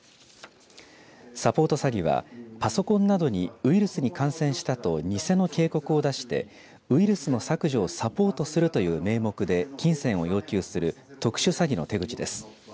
サポート詐欺はパソコンなどにウイルスに感染したと偽の警告を出してウイルスの削除をサポートするという名目で金銭を要求する特殊詐欺の手口です。